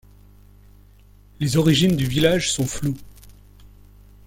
Les origines du villages sont floues.